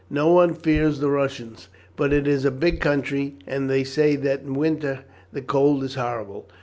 No one fears the Russians; but it is a big country, and they say that in winter the cold is horrible.